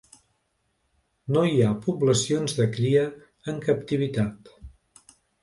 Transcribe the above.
No hi ha poblacions de cria en captivitat.